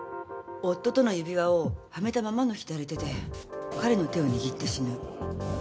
夫との指輪をはめたままの左手で彼の手を握って死ぬ。